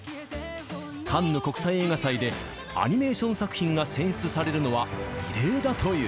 カンヌ国際映画祭で、アニメーション作品が選出されるのは異例だという。